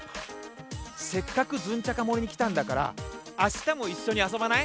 せっかくズンチャカもりにきたんだからあしたもいっしょにあそばない？